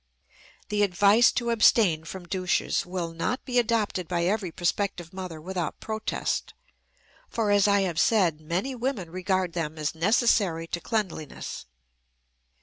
The advice to abstain from douches will not be adopted by every prospective mother without protest, for, as I have said, many women regard them as necessary to cleanliness.